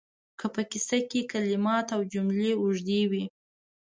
که په کیسه کې کلمات او جملې اوږدې وي